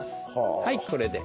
はいこれで。